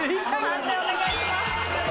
判定お願いします。